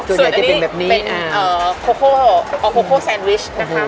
ส่วนอันนี้เป็นโคโฟโคโฟแซนวิชนะคะ